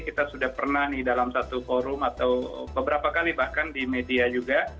kita sudah pernah nih dalam satu forum atau beberapa kali bahkan di media juga